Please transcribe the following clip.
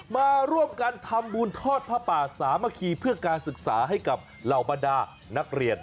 มาร่วมกันทำบุญทอดผ้าป่าสามัคคีเพื่อการศึกษาให้กับเหล่าบรรดานักเรียน